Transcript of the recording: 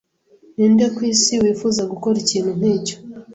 Ninde ku isi wifuza gukora ikintu nkicyo?